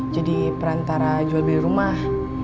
jadi perantara jual beli rumah